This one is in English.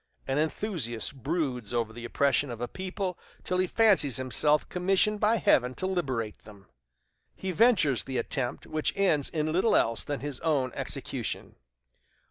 An enthusiast broods over the oppression of a people till he fancies himself commissioned by Heaven to liberate them. He ventures the attempt, which ends in little else than his own execution.